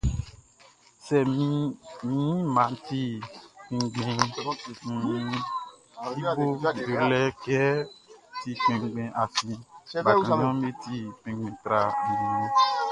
Sɛ min ɲinmaʼn ti kpinngbinʼn, i boʼn yɛle kɛ n ti kpinngbin, afin bakanʼn ti kpinngbin tra nanninʼn.